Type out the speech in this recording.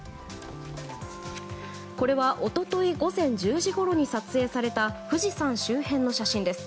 これは一昨日午前１０時ごろに撮影された富士山周辺の写真です。